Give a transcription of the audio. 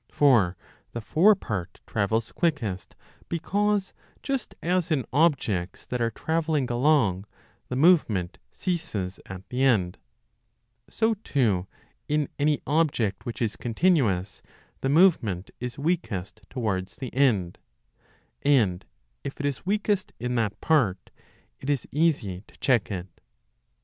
For the fore part travels quickest, because, just as in objects 1 hat are travelling along, the movement ceases at the end ; so, too, in any object which is continuous the movement is weakest towards the end, 1 and if it is weakest in that part ro 1 85i a io.